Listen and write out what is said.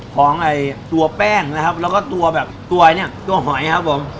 ของไอ้ตัวแป้งนะครับแล้วก็ตัวแบบตัวเนี่ยตัวหอยครับผม